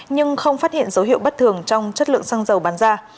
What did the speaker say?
nhưng không phát hiện dấu hiệu bất thường trong chất lượng xăng dầu bán ra